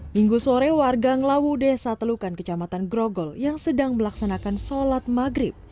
minggu sore warga ngelawu desa telukan kecamatan grogol yang sedang melaksanakan sholat maghrib